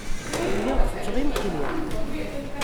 Lliɣ ttetteɣ imekli.